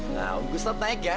nah om gustaf naik ya